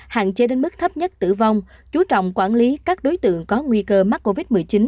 hạn chế đến mức thấp nhất tử vong chú trọng quản lý các đối tượng có nguy cơ mắc covid một mươi chín